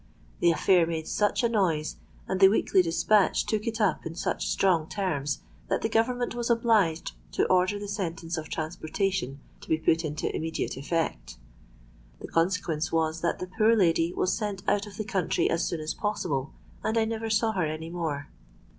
The affair made such a noise, and the Weekly Dispatch took it up in such strong terms, that the Government was obliged to order the sentence of transportation to be put into immediate effect. The consequence was that the poor lady was sent out of the country as soon as possible; and I never saw her any more.